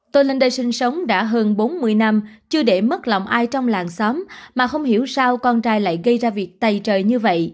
tôi lên đây sinh sống đã hơn bốn mươi năm chưa để mất lòng ai trong làng xóm mà không hiểu sao con trai lại gây ra việc tày trời như vậy